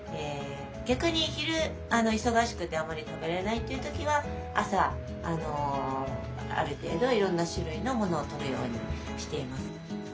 逆に昼忙しくてあまり食べれないっていう時は朝ある程度いろんな種類のものをとるようにしています。